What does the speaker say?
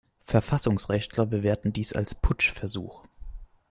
Verfassungsrechtler bewerten dies als Putschversuch.